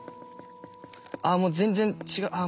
あっもう全然違うああ